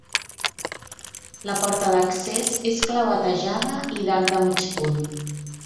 La porta d'accés és clavetejada i d'arc de mig punt.